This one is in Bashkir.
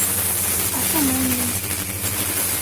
Ашаным мин.